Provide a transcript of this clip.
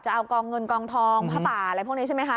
จะเอากองเงินกองทองผ้าป่าอะไรพวกนี้ใช่ไหมคะ